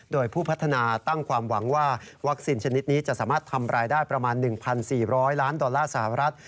โดยผู้พัฒนาตั้งความหวังว่าวัคซีนชนิดนี้จะสามารถทำรายได้ประมาณ๑๔๐๐ล้านดอลลาร์สหรัฐ